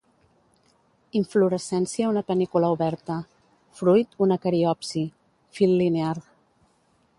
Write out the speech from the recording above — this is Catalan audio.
Inflorescència una panícula oberta. Fruit una cariopsi; fil linear.